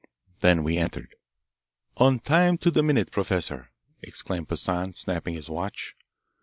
Then we entered. "On time to the minute, Professor," exclaimed Poissan, snapping his watch.